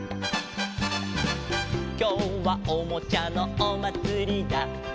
「きょうはおもちゃのおまつりだ」